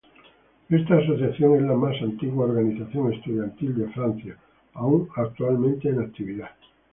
Esta asociación es la más antigua organización estudiantil de Francia, aún actualmente en actividad.